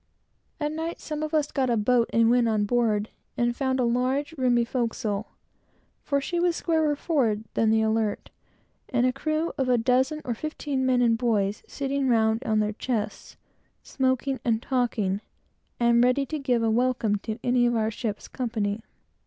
At night, some of us got a boat and went on board, and found a large, roomy forecastle, (for she was squarer forward than the Alert,) and a crew of a dozen or fifteen men and boys, sitting around on their chests, smoking and talking, and ready to give a welcome to any of our ship's company.